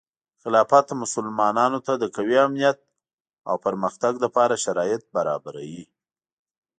خلافت مسلمانانو ته د قوي امنیت او پرمختګ لپاره شرایط برابروي.